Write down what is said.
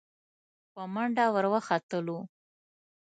په منډه ور وختلو.